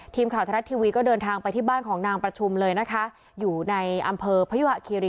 ทีมข่าวทรัฐทีวีก็เดินทางไปที่บ้านของนางประชุมเลยนะคะอยู่ในอำเภอพยุหะคีรี